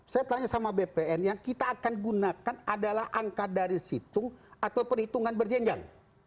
saya tanya sama bpn yang kita akan gunakan adalah angka dari situng atau perhitungan berjenjang